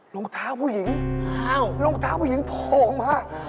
ลงท้าผู้หญิงลงท้าผู้หญิงโผ่มา